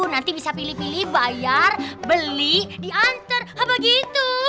nanti bisa pilih pilih bayar beli diantar apa gitu